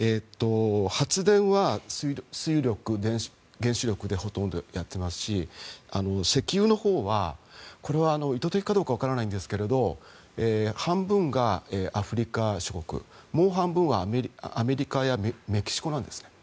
発電は水力、原子力でほとんどやっていますし石油のほうは意図的かどうかは分からないですが半分がアフリカ諸国もう半分はアメリカやメキシコなんですね。